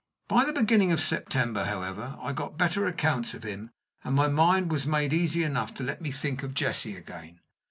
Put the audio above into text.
By the beginning of September, however, I got better accounts of him, and my mind was made easy enough to let me think of Jessie again.